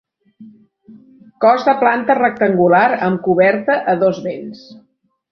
Cos de planta rectangular amb coberta a dos vents.